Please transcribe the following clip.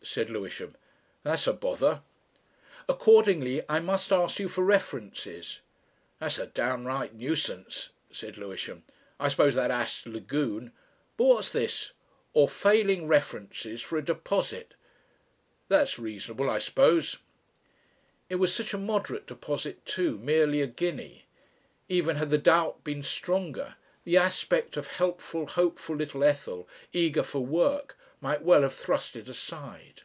said Lewisham; "that's a bother." "Accordingly I must ask you for references." "That's a downright nuisance," said Lewisham. "I suppose that ass, Lagune ... But what's this? 'Or, failing references, for a deposit ...' That's reasonable, I suppose." It was such a moderate deposit too merely a guinea. Even had the doubt been stronger, the aspect of helpful hopeful little Ethel eager for work might well have thrust it aside.